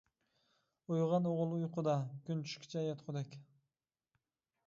ئويغان ئوغۇل ئۇيقۇدا، كۈن چۈشكىچە ياتقۇدەك.